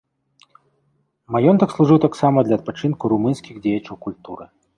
Маёнтак служыў таксама для адпачынку румынскіх дзеячаў культуры.